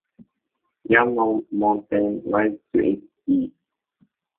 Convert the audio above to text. Yunlong Mountain lies to its east.